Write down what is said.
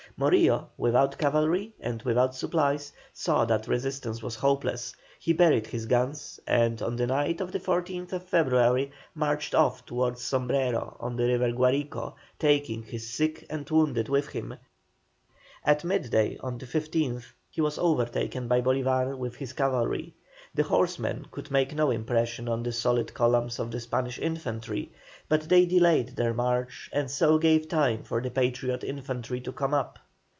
Morillo, without cavalry and without supplies, saw that resistance was hopeless; he buried his guns, and on the night of the 14th February marched off towards Sombrero on the river Guarico, taking his sick and wounded with him. At midday, on the 15th, he was overtaken by Bolívar with his cavalry. The horsemen could make no impression on the solid columns of the Spanish infantry, but they delayed their march and so gave time for the Patriot infantry to come up.